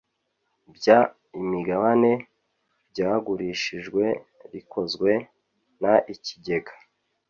by imigabane byagurishijwe rikozwe n ikigega